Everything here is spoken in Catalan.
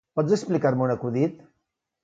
Pots explicar-me un acudit?